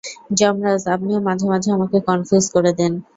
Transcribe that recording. যমরাজ, আপনিও মাঝে মাঝে আমাকে কনফিউজ করে দেন।